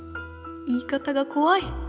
言い方がこわい！